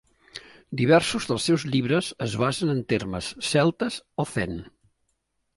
Diversos dels seus llibres es basen en temes celtes o zen.